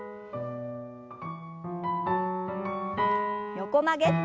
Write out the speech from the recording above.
横曲げ。